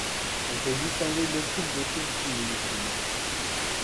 On peut distinguer deux types d'autosimilitude.